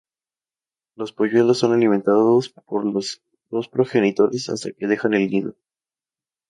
Los polluelos son alimentados por los dos progenitores hasta que dejan el nido.